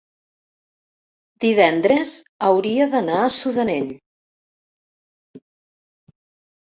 divendres hauria d'anar a Sudanell.